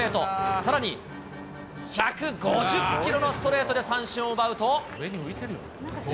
さらに１５０キロのストレートで三振を奪うと。